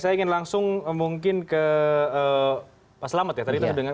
saya ingin langsung mungkin ke pak selamet ya